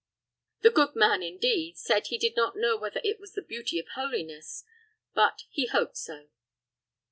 The good man, indeed, said he did not know whether it was the beauty of holiness; but he hoped so."